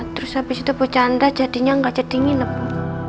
terus abis itu bu chandra jadinya gak jadi nginep bu